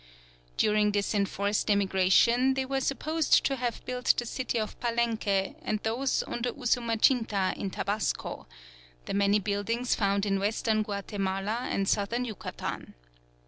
During this enforced emigration they are supposed to have built the city of Palenque and those on the Usumacinta in Tabasco; the many buildings found in Western Guatemala and Southern Yucatan.